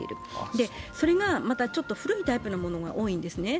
で、それが古いタイプのものが多いんですね。